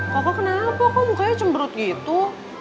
kok kenapa kok mukanya cemberut gitu